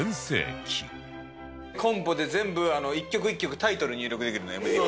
コンポで全部１曲１曲タイトル入力できるのＭＤに。